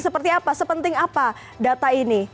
seperti apa sepenting apa data ini